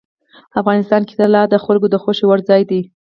افغانستان کې طلا د خلکو د خوښې وړ ځای دی.